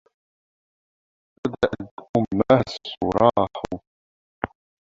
بدأت أمها الصراخ.